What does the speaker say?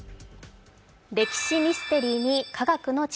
歴史ミステリーに科学の力。